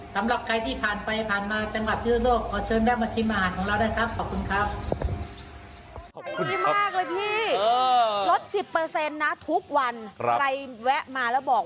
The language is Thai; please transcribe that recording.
สำหรับใครที่ผ่านไปผ่านมาจังหาวาชนิดโลก